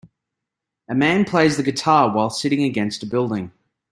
A man plays the guitar while sitting against a building.